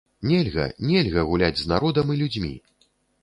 Нельга, нельга гуляць з народам і людзьмі.